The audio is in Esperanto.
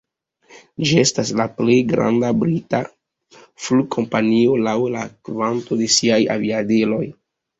Ĝi estas la plej granda brita flugkompanio laŭ la kvanto de siaj aviadiloj.